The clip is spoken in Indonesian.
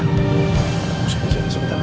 kamu bisa jalan sebentar lagi